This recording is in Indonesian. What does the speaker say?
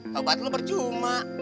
kebat lu berjumah